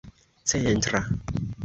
centra